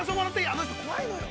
あの人怖いのよ。